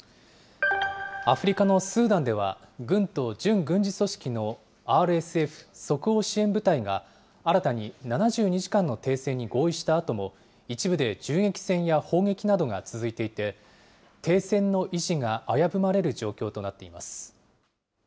アフリカのスーダンでは、軍と準軍事組織のＲＳＦ・即応支援部隊が、新たに７２時間の停戦に合意したあとも、一部で銃撃戦や砲撃などが続いていて、停戦の維持が危ぶまれる状況となっています。